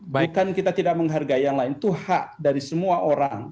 bahkan kita tidak menghargai yang lain itu hak dari semua orang